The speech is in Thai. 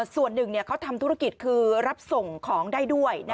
ส่วนหนึ่งเขาทำธุรกิจคือรับส่งของได้ด้วย